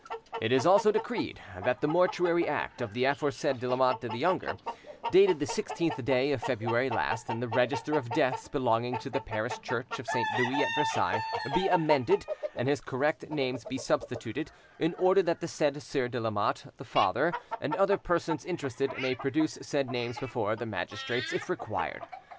It is also decreed that the mortuary act of the aforesaid de Lamotte the younger, dated the sixteenth day of February last, in the register of deaths belonging to the parish church of Saint Louis at Versailles, be amended, and his correct names be substituted, in order that the said Sieur de Lamotte, the father, and other persons interested, may produce said names before the magistrates if required.